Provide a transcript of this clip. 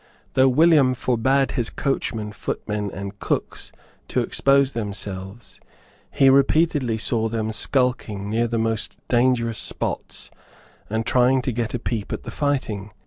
Though William forbade his coachmen, footmen and cooks to expose themselves, he repeatedly saw them skulking near the most dangerous spots and trying to get a peep at the fighting.